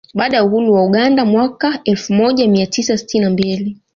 Baada ya uhuru wa Uganda mwaka mwaka elfu moja mia tisa sitini na mbili